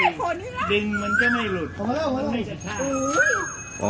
เย้ใจเย็น